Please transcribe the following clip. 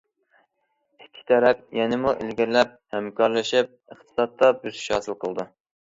ئىككى تەرەپ يەنىمۇ ئىلگىرىلەپ ھەمكارلىشىپ ئىقتىسادتا بۆسۈش ھاسىل قىلىدۇ.